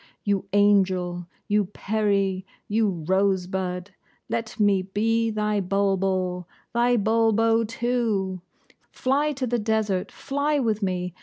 You angel you peri you rosebud, let me be thy bulbul thy Bulbo, too! Fly to the desert, fly with me!